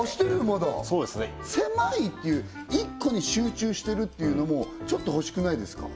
まだせまいっていう１個に集中してるっていうのもちょっと欲しくないですか？